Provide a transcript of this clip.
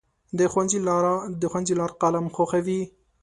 د ښوونځي لار قلم ښووي.